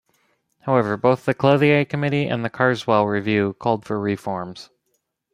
However, both the Clothier committee and the Carswell reviewcalled for reforms.